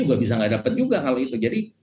juga bisa nggak dapat juga kalau itu jadi